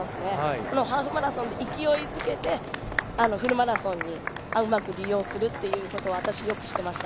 このハーフマラソンで、勢いづけて、フルマラソンにうまく利用するということを、私、よくしていました。